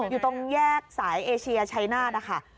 อยู่ตรงแยกสายเอเชียชัยนาธนะคะ